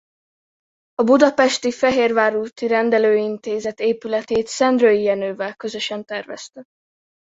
A budapesti Fehérvár Úti rendelőintézet épületét Szendrői Jenővel közösen tervezte.